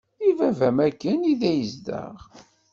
I baba-m-aki anida yezdeɣ?